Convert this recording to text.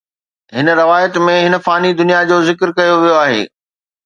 هن روايت ۾ هن فاني دنيا جو ذڪر ڪيو ويو آهي